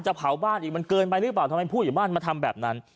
เผาบ้านอีกมันเกินไปหรือเปล่าทำไมผู้อยู่บ้านมาทำแบบนั้น